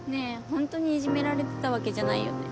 ホントにいじめられてたわけじゃないよね。